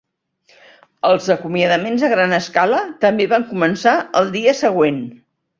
Els acomiadaments a gran escala també van començar el dia següent.